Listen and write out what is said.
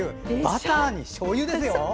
バターにしょうゆですよ。